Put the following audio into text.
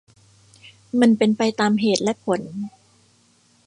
มันเป็นไปตามเหตุและผล